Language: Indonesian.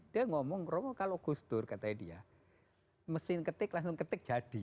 dia ngomong romo kalau gus dur katanya dia mesin ketik langsung ketik jadi